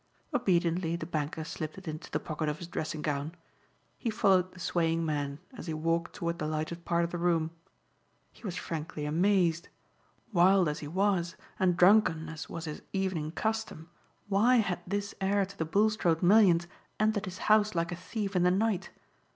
Obediently the banker slipped it into the pocket of his dressing gown. He followed the swaying man as he walked toward the lighted part of the room. He was frankly amazed. Wild as he was, and drunken as was his evening custom, why had this heir to the Bulstrode millions entered his house like a thief in the night?